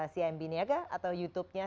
cimb niaga atau youtube nya